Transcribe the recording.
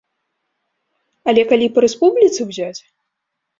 Але калі па рэспубліцы ўзяць!